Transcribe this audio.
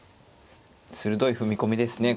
鋭い踏み込みですね。